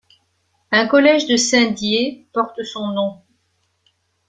Un collège de Saint-Dié porte son nom.